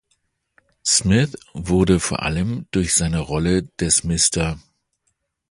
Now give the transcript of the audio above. Smith wurde vor allem durch seine Rolle des "Mr.